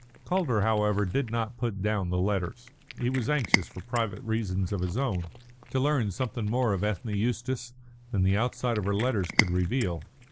Calder, however, did not put down the letters. He was anxious, for private reasons of his own, to learn something more of Ethne Eustace than the outside of her letters could reveal.